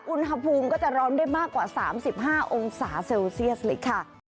อุณหภูมิก็จะร้อนได้มากกว่า๓๕องศาเซลเซียสเลยค่ะ